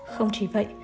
không chỉ vậy